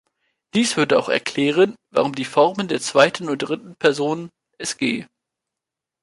Dies würde auch erklären, warum die Formen der zweiten und dritten Person sg.